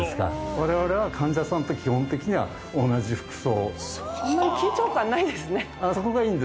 われわれは患者さんと基本的には同じ服装。